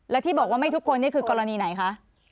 แล้วที่บอกว่าไม่ทุกคนนี่คือกรณีไหนคะ